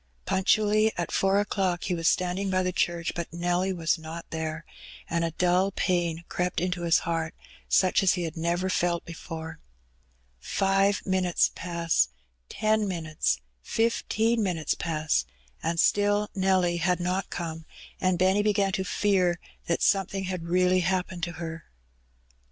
Punctually at four o'clock he was standing by the church, but Nelly was not there, and a dull pain crept into his heart, such as he had never felt before. Five minutes pass — ten minutes — fifteen minutes pass, and still Nelly had not come, and Benny began to fear that something had really happened to her.